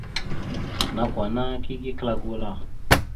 Nakw ana kige kəla gula.